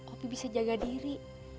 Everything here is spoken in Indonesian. opi bisa jaga diri